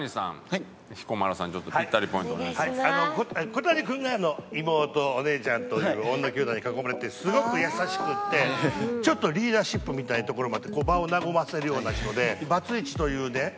小谷君が妹お姉ちゃんというちょっとリーダーシップみたいなところもあって場を和ませるような人でバツイチというね